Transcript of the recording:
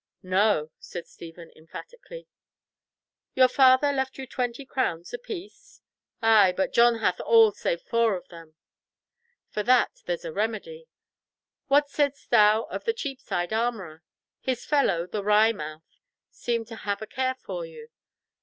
"No," said Stephen, emphatically. "Your father left you twenty crowns apiece?" "Ay, but John hath all save four of them." "For that there's remedy. What saidst thou of the Cheapside armourer? His fellow, the Wry mouth, seemed to have a care of you.